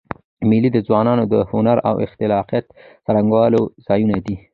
مېلې د ځوانانو د هنر او خلاقیت څرګندولو ځایونه دي.